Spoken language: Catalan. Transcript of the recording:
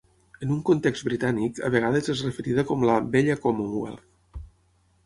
En un context britànic, a vegades és referida com la "Vella Commonwealth".